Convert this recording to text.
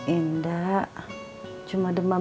indah cuma demam